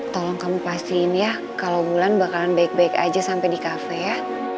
tolong kamu pastiin ya kalau bulan bakalan baik baik aja sampai di kafe ya